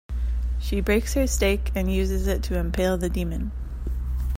She breaks her stake and uses it to impale the demon.